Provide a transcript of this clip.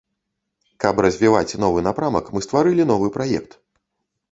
Каб развіваць новы напрамак, мы стварылі новы праект.